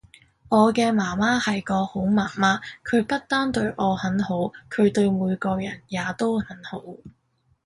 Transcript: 我嘅媽媽係個好媽媽，佢不但對我很好，佢對每個人也都很好